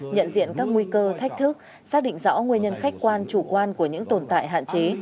nhận diện các nguy cơ thách thức xác định rõ nguyên nhân khách quan chủ quan của những tồn tại hạn chế